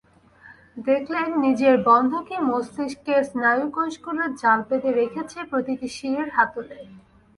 দেখলেন, নিজের বন্ধকি মস্তিষ্কের স্নায়ুকোষগুলো জাল পেতে রেখেছে প্রতিটি সিঁড়ির হাতলে।